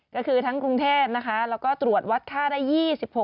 ก็คือทั้งกรุงเทพนะคะแล้วก็ตรวจวัดค่าได้๒๖